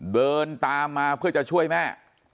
เดินตามมาเพื่อจะช่วยแม่